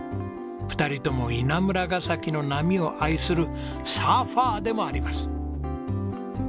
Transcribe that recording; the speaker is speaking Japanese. ２人とも稲村ガ崎の波を愛するサーファーでもあります。